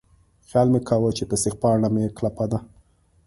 خیال مې کاوه چې تصدیق پاڼه مې کلپه ده.